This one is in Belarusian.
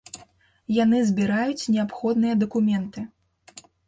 Яны збіраюць неабходныя дакументы.